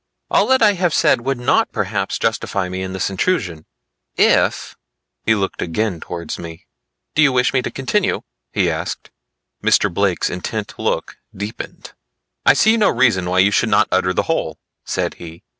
"All that I have said would not perhaps justify me in this intrusion, if " he looked again towards me. "Do you wish me to continue?" he asked. Mr. Blake's intent look deepened. "I see no reason why you should not utter the whole," said he.